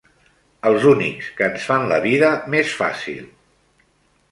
Els únics que ens fan la vida més fàcil.